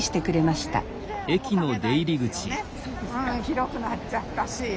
広くなっちゃったし。